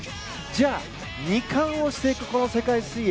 じゃあ、２冠をしていくこの世界水泳。